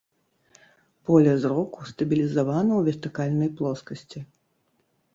Поле зроку стабілізавана ў вертыкальнай плоскасці.